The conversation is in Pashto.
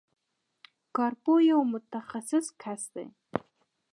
کارپوه یو متخصص کس دی.